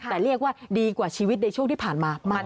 แต่เรียกว่าดีกว่าชีวิตในช่วงที่ผ่านมา